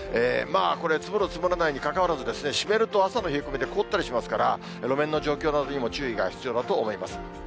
まあこれ、積もる、積もらないにかかわらず、湿ると朝の冷え込みで凍ったりしますから、路面の状況などにも注意が必要だと思います。